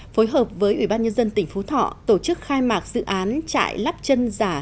phối hợp với ủy ban nhân dân tỉnh phú thọ tổ chức khai mạc dự án trại lắp chân giả